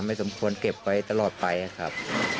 สมควรเก็บไว้ตลอดไปครับ